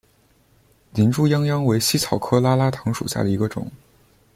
林猪殃殃为茜草科拉拉藤属下的一个种。